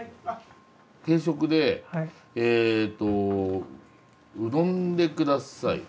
定食でえっとうどんで下さい。